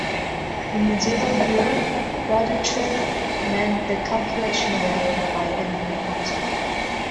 In medieval Europe, quadrature meant the calculation of area by any method.